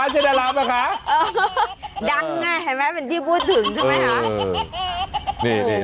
ดังน่ะเห็นไหมเป็นที่พูดถึงใช่ไหม